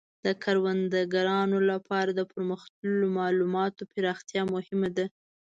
د کروندګرانو لپاره د پرمختللو مالوماتو پراختیا مهمه ده.